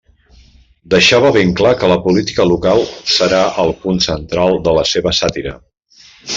Deixava ben clar que la política local serà el punt central de la seva sàtira.